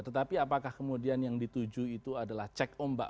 tetapi apakah kemudian yang dituju itu adalah cek ombak